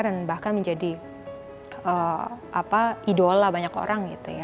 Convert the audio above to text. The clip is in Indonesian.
dan bahkan menjadi idola banyak orang